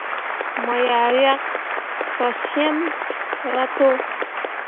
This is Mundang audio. Mo yah riak fasyemme rah to.